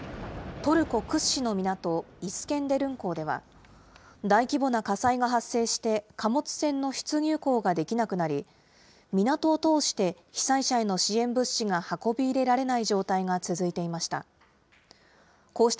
トルコ屈指の港、イスケンデルン港では、大規模な火災が発生して、貨物船の出入港ができなくなり、港を通して、被災者への支援物資が運び入れられない状態が続いていました。